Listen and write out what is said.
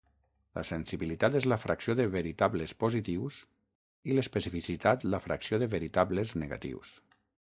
La sensibilitat és la fracció de veritables positius i l'especificitat la fracció de veritables negatius.